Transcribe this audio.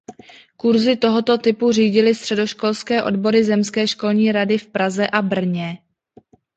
Kurzy tohoto typu řídily středoškolské odbory Zemské školní rady v Praze a Brně.